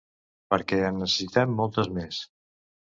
Perquè en necessitem moltes més.